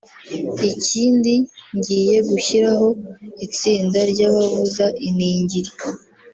Ikindi ngiye gushyiraho itsinda ry’abavuza iningiri